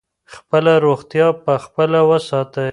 خپله روغتیا په خپله وساتئ.